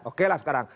oke lah sekarang